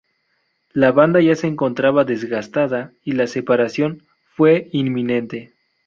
La banda ya se encontraba desgastada y la separación fue inminente.